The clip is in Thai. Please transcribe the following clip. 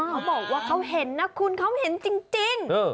เขาบอกว่าเขาเห็นนะคุณเขาเห็นจริง